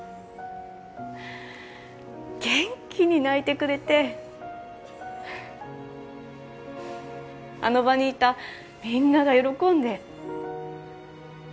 元気に泣いてくれて、あの場にいたみんなが喜んで。